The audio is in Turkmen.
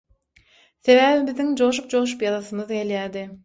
Sebäbi biziň joşup-joşup ýazasymyz gelýärdi.